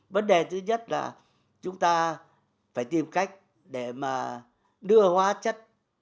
vấn đề thứ nhất là chúng ta phải tìm cách để mà đưa hóa chất